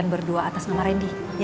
aku belum ada tepung